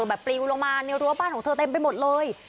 ปลิวลงมาในรั้วบ้านของเธอเต็มไปหมดเลย